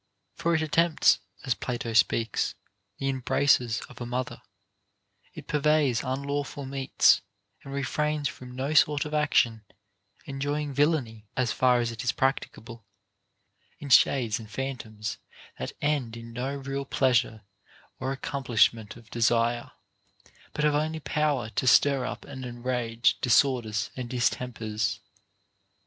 For it attempts (as Plato speaks) the embraces of a mother, it purveys unlawful meats, and refrains from no sort of action, enjoying villany, as far as it is practicable, in shades and phantoms, that end in no real pleasure or accomplish ment of desire, but have only power to stir up and enrage disorders and distempers.